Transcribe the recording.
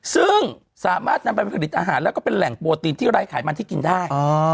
ซึ่งสามารถนำไปผลิตอาหารแล้วก็เป็นแหล่งโปรตีนที่ไร้ไขมันที่กินได้